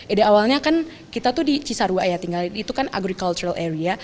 ide awalnya kan kita tuh di cisarua ya tinggalin itu kan agricultural area